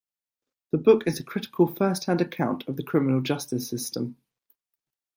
The book is a critical first hand account of the criminal justice system.